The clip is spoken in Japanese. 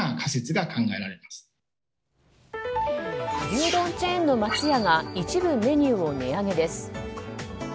牛丼チェーンの松屋が一部メニューを値上げです。